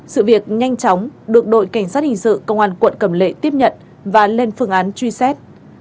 sự việc nhanh chóng được đội cảnh sát hình sự công an quận cầm lệ tiếp nhận và lên phương án truy xét